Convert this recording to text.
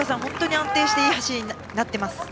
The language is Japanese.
安定していい走りになっています。